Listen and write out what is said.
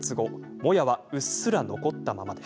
もやは、うっすら残ったまま。